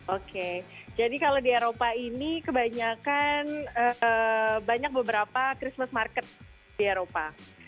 oke jadi kalau di eropa ini kebanyakan banyak beberapa christmas market di eropa